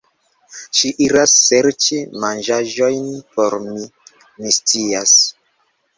Ŝi iras serĉi manĝaĵojn por mi, mi scias